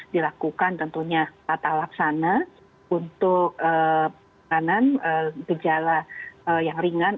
dilakukan tentunya patah laksana untuk kejala yang ringan